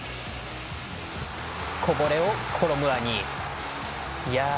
こぼれを、コロムアニ。